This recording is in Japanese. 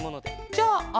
じゃああ